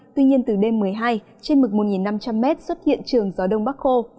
tuy nhiên từ đêm một mươi hai trên mực một năm trăm linh m xuất hiện trường gió đông bắc khô